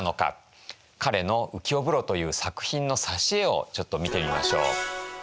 彼の「浮世風呂」という作品の挿絵をちょっと見てみましょう。